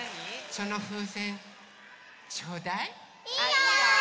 そのふうせんちょうだい？いいよ！